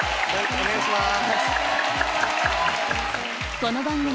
お願いします。